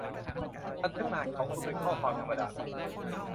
บันทึกรหัสของคุณเป็นข้อความธรรมดาเสมอ